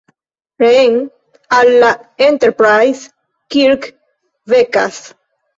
Reen al la Enterprise, Kirk vekas.